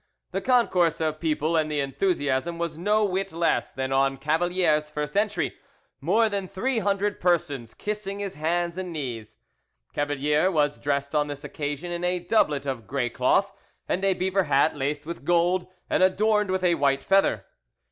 The concourse of people and the enthusiasm was no whit less than on Cavalier's first entry, more than three hundred persons kissing his hands and knees. Cavalier was dressed on this occasion in a doublet of grey cloth, and a beaver hat, laced with gold, and adorned with a white feather.